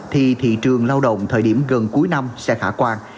thì thị trường lao động thời điểm gần cuối năm sẽ khả quan